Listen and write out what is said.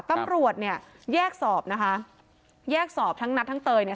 ตำรวจเนี่ยแยกสอบนะคะแยกสอบทั้งนัททั้งเตยเนี่ย